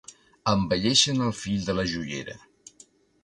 Embelleixen el fill de la joiera.